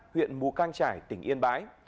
huyện mù cang trải tỉnh yên bái